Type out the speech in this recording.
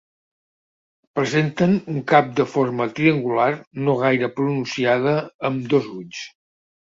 Presenten un cap de forma triangular no gaire pronunciada amb dos ulls.